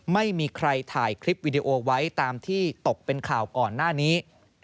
ไม่มีใครถ่ายคลิปวิดีโอไว้ตามที่ตกเป็นข่าวก่อนหน้านี้